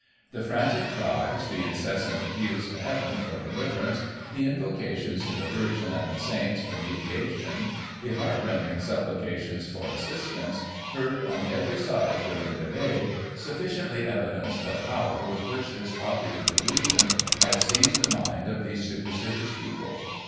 The frantic cries, the incessant appeals to Heaven for deliverance, the invocations to the Virgin and the Saints for mediation, the heartrending suppli cations for assistance, heard on every side during the day, sufficiently evidenced the power with which this popular delu sion had seized the mind of these superstitious people.